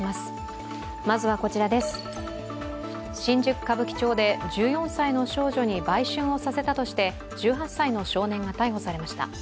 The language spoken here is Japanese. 新宿・歌舞伎町で１４歳の少女に売春をさせたとして１８歳の少年が逮捕されました。